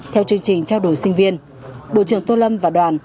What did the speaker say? theo chương trình trao đổi sinh viên bộ trưởng tô lâm và đoàn